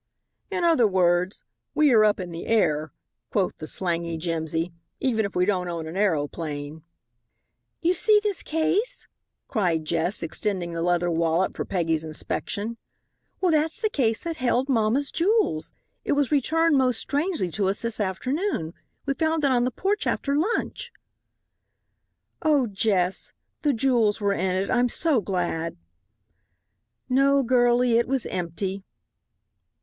"In other words, 'we are up in the air,'" quoth the slangy Jimsy, "even if we don't own an aeroplane." "You see this case," cried Jess, extending the leather wallet for Peggy's inspection. "Well, that's the case that held mamma's jewels. It was returned most strangely to us this afternoon. We found it on the porch after lunch. "Oh, Jess! the jewels were in it. I'm so glad." "No, girlie, it was empty."